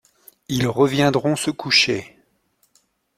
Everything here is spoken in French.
Ils reviendront se coucher.